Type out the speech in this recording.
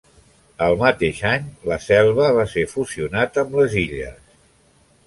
El mateix any, la Selva va ser fusionat amb les Illes.